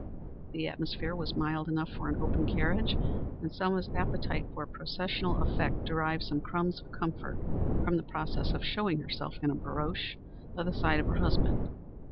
The atmosphere was mild enough for an open carriage, and Selma's appetite for processional effect derived some crumbs of comfort from the process of showing herself in a barouche by the side of her husband.